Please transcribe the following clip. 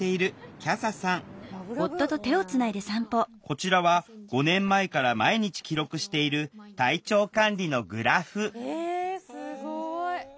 こちらは５年前から毎日記録している体調管理のグラフえすごい！